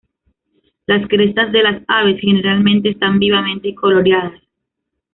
Las crestas de las aves generalmente están vivamente coloreadas.